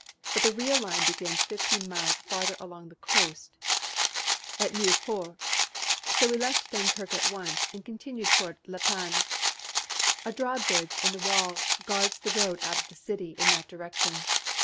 But the real line begins fifteen miles farther along the coast at Nieuport. So we left Dunkirk at once and continued toward La Panne. A drawbridge in the wall guards the road out of the city in that direction.